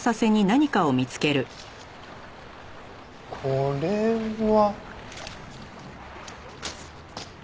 これは。